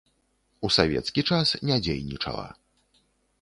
У савецкі час не дзейнічала.